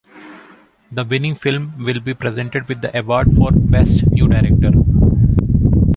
The winning film will be presented with the award for Best New Director.